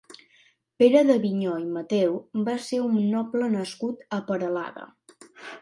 Pere d'Avinyó i Mateu va ser un noble nascut a Peralada.